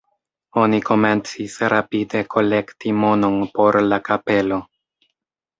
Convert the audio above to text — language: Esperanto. Oni komencis rapide kolekti monon por la kapelo.